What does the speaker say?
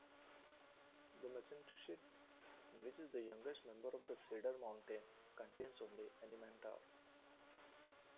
The Mussentuchit, which is the youngest member of the Cedar Mountain, contains only "Animantarx".